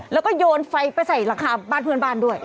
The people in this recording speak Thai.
แล้วก็โยนไฟไปใส่หลังคาบ้านเพื่อนบ้านด้วย